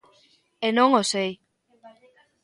E non o sei.